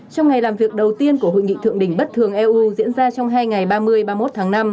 trong ngày làm việc đầu tiên của hội nghị thượng đỉnh bất thường eu diễn ra trong hai ngày ba mươi ba mươi một tháng năm